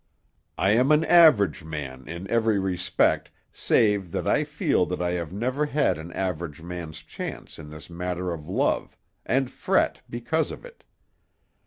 I am an average man in every respect save that I feel that I have never had an average man's chance in this matter of love, and fret because of it.